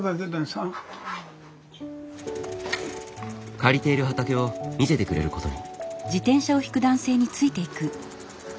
借りている畑を見せてくれることに。